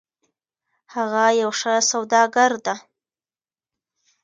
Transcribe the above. هغه یو ښه سوداګر ده